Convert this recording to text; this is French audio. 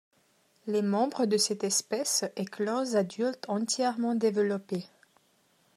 Les membres de cette espèce éclosent adultes entièrement développés.